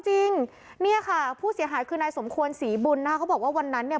จริงเนี่ยค่ะผู้เสียหายคือนายสมควรศรีบุญนะคะเขาบอกว่าวันนั้นเนี่ย